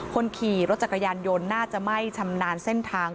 คนขี่รถจักรยานยนต์น่าจะไม่ชำนาญเส้นทาง